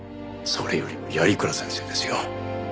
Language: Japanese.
それよりも鑓鞍先生ですよ。